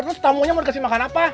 terus tamunya mau kasih makan apa